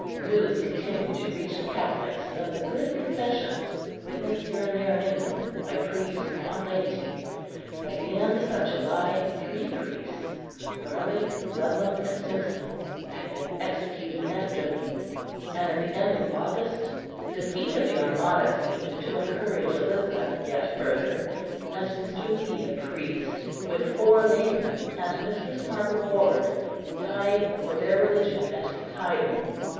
News continued to reach the Catholics of the good confessions witnessed here and there in England by priests and laity. At the end of July, three priests, Garlick, Ludlam and Sympson, had been executed at Derby, and at the end of August the defeat of the Armada seemed to encourage Elizabeth yet further, and Mr. Leigh, a priest, with four laymen and Mistress Margaret Ward, died for their religion at Tyburn.